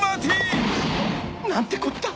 「何てこった」